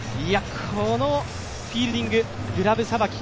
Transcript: このフィールディンググラブさばき。